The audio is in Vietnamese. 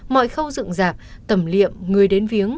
mọi khâu dựng dạp tầm liệm người đến viếng